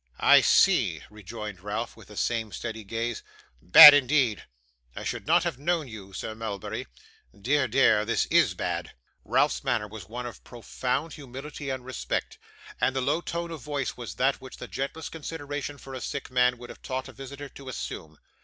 'I see,' rejoined Ralph, with the same steady gaze. 'Bad, indeed! I should not have known you, Sir Mulberry. Dear, dear! This IS bad.' Ralph's manner was one of profound humility and respect; and the low tone of voice was that, which the gentlest consideration for a sick man would have taught a visitor to assume.